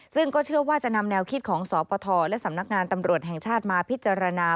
ซึ่งก็เชื่อว่าจะนำแนวคิดของสปทและสำนักงานตำรวจแห่งชาติมาพิจารณา